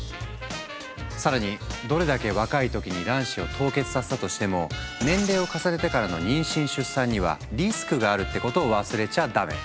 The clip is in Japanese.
更にどれだけ若い時に卵子を凍結させたとしても年齢を重ねてからの妊娠出産にはリスクがあるってことを忘れちゃダメ！